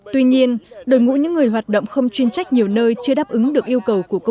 tuy nhiên đội ngũ những người hoạt động không chuyên trách nhiều nơi chưa đáp ứng được yêu cầu